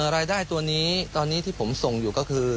รายได้ตัวนี้ตอนนี้ที่ผมส่งอยู่ก็คือ